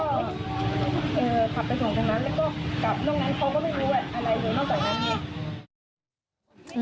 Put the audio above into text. ขอบคุกไว้วานใช่ไหม